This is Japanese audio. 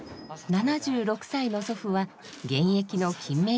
７６歳の祖父は現役のキンメ